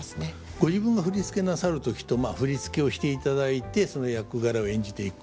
ご自分が振付なさる時と振付をしていただいてその役柄を演じていく。